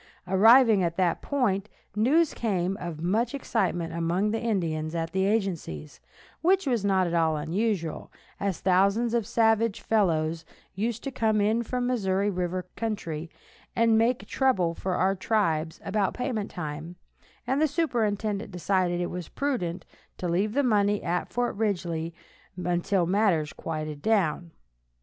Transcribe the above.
Arriving at that point, news came of much excitement among the Indians at the agencies, which was not at all unusual, as thousands of savage fellows used to come in from the Missouri river country, and make trouble for our tribes about payment time, and the superintendent decided it was prudent to leave the money at Fort Ridgely until matters quieted down.